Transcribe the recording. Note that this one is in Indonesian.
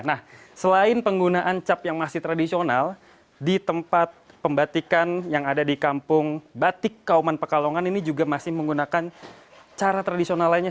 nah selain penggunaan cap yang masih tradisional di tempat pembatikan yang ada di kampung batik kauman pekalongan ini juga masih menggunakan cara tradisional lainnya